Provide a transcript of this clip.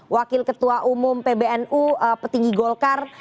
wakil ketua umum pbnu petinggi golkar